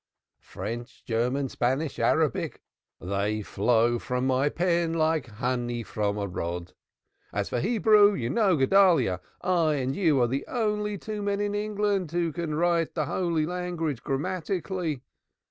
French, German, Spanish, Arabic they flow from my pen like honey from a rod. As for Hebrew, you know, Guedalyah, I and you are the only two men in England who can write Holy Language grammatically.